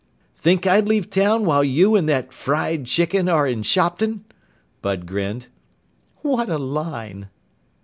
"Think I'd leave town while you and that fried chicken are in Shopton?" Bud grinned. "What a line!"